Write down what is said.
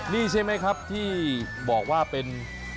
นี่ใช่ไหมครับที่บอกว่าเป็น